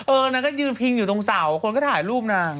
นางก็ยืนพิงอยู่ตรงเสาคนก็ถ่ายรูปนาง